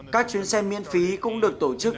các chuyến xe miễn phí cũng được tổ chức